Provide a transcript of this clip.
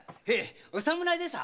お侍でさ。